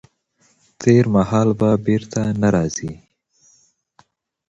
تېر مهال به بیرته نه راځي.